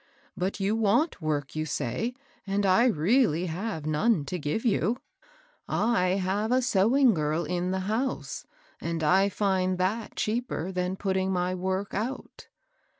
But you want work, you say, and I really have none to give you. I have a sewing girl in the 808 MABEL ROSS. house, and I find that cheaper then putting n^ work out.'